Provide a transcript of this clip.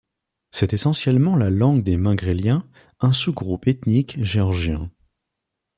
C'est essentiellement la langue des Mingréliens, un sous-groupe ethnique géorgien.